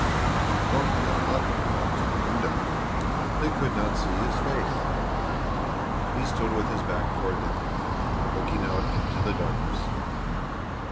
Thornton got up and walked to the window. They could not see his face. He stood with his back toward them, looking out into the darkness.